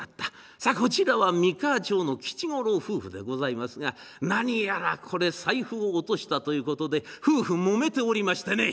さあこちらは三河町の吉五郎夫婦でございますが何やらこれ財布を落としたということで夫婦もめておりましてね。